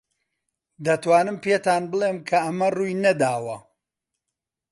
دەتوانم پێتان بڵێم کە ئەمە ڕووی نەداوە.